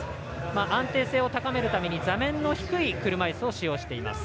安定性を高めるために座面の低い車いすを使用しています。